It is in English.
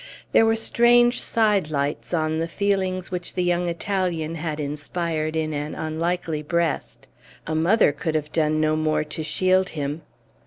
There were strange sidelights on the feelings which the young Italian had inspired in an unlikely breast; a mother could have done no more to shield him.